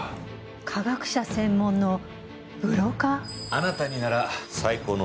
科学者専門のブローカー？